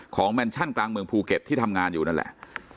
แมนชั่นกลางเมืองภูเก็ตที่ทำงานอยู่นั่นแหละ